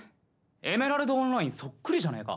「エメラルドオンライン」そっくりじゃねえか。